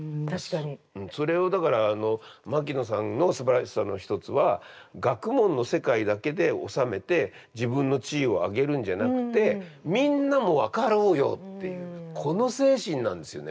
それをだから牧野さんのすばらしさの一つは学問の世界だけでおさめて自分の地位を上げるんじゃなくてみんなも分かろうよっていうこの精神なんですよね。